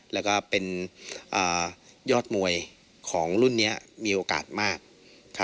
แล้วก็เป็นยอดมวยของรุ่นนี้มีโอกาสมาก